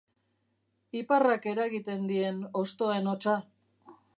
Iparrak eragiten dien hostoen hotsa.